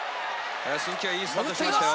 鈴木はいいスタートしましたよ。